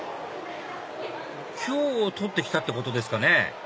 今日取って来たってことですかね